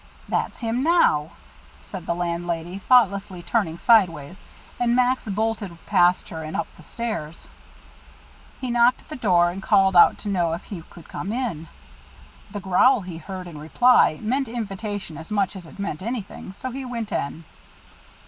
"That's him now," said the landlady, thoughtlessly turning sideways, and Max bolted past her and up the stairs. He knocked at the door and called out to know if he could come in. The growl he heard in reply meant invitation as much as it meant anything, so he went in.